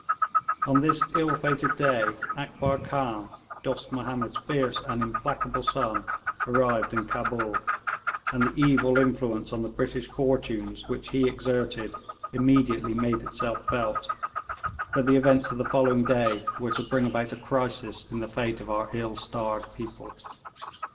On this ill fated day Akbar Khan, Dost Mahomed's fierce and implacable son, arrived in Cabul, and the evil influence on the British fortunes which he exerted immediately made itself felt, for the events of the following day were to bring about a crisis in the fate of our ill starred people.